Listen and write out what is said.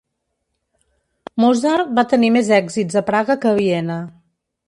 Mozart va tenir més èxits a Praga que a Viena.